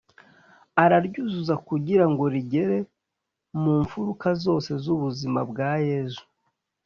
araryuzuza kugira ngo rigere mu mfuruka zose z’ubuzima bwa yezu: